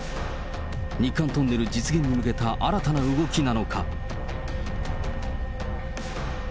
日韓トンネル実現に向けた新たな動きなのか。